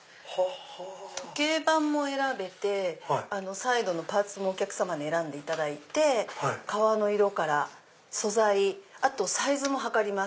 時計盤も選べてサイドのパーツもお客さまに選んでいただいて革の色から素材あとサイズも測ります。